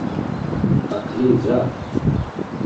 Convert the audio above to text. Aql-i da.